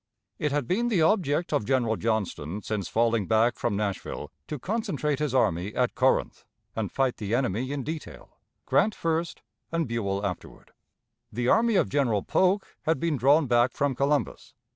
It had been the object of General Johnston, since falling back from Nashville, to concentrate his army at Corinth, and fight the enemy in detail Grant first, and Buell afterward. The army of General Polk had been drawn back from Columbus.